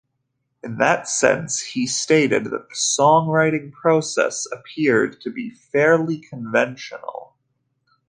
In that sense, he stated that the songwriting process appeared to be "fairly conventional".